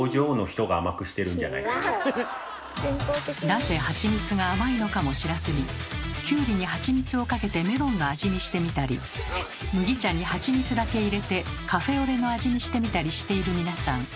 なぜハチミツが甘いのかも知らずにきゅうりにハチミツをかけてメロンの味にしてみたり麦茶にハチミツだけ入れてカフェオレの味にしてみたりしている皆さん。